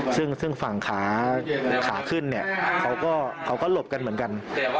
ซึ่งฝั่งขาขึ้นเนี่ยเขาก็หลบกันเหมือนกัน